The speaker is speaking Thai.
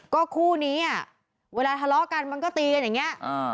ก็คู่นี้อ่ะเวลาทะเลาะกันมันก็ตีกันอย่างนี้